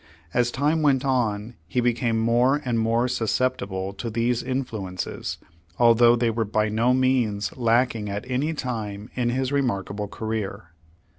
As time went on he became more and more susceptible to these influences, although they were by no means lack ing at any time in his remarkable career.